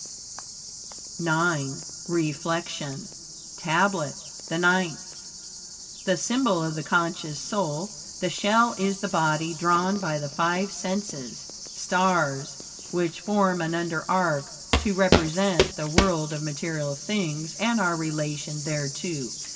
IX REFLECTION TABLET THE NINTH The symbol of the conscious soul. The shell is the body, drawn by the five senses stars which form an under arc, to represent the world of material things and our relation thereto.